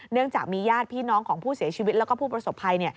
เนื่องจากมีญาติพี่น้องของผู้เสียชีวิตแล้วก็ผู้ประสบภัย